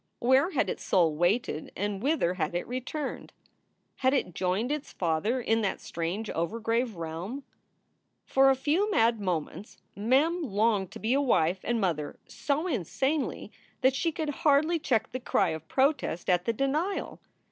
Where had its soul waited and whither had it returned? Had it joined its father in that strange overgrave realm? For a few mad moments Mem longed to be a wife and mother so insanely that she could hardly check the cry of protest at the denial.